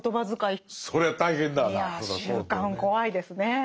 いや習慣怖いですねぇ。